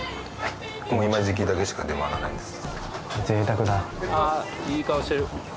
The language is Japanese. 今時期だけしか出回らないんです